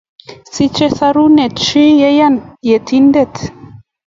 Sichei sorunet che 'yani Yetindet.